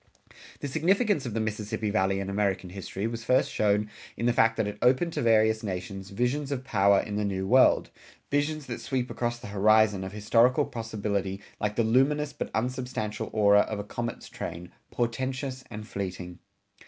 The significance of the Mississippi Valley in American history was first shown in the fact that it opened to various nations visions of power in the New World visions that sweep across the horizon of historical possibility like the luminous but unsubstantial aurora of a comet's train, portentous and fleeting.